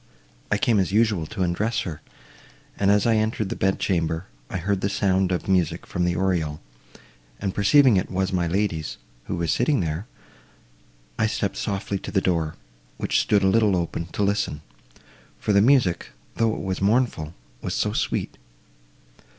I came as usual to undress her, and, as I entered the bed chamber, I heard the sound of music from the oriel, and perceiving it was my lady's, who was sitting there, I stepped softly to the door, which stood a little open, to listen; for the music—though it was mournful—was so sweet!